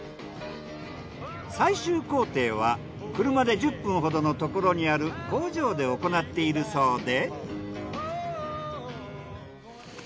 最終工程は車で１０分ほどのところにある工場で行っているそうで。